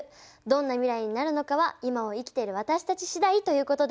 どんな未来になるのかは今を生きてる私たち次第ということです。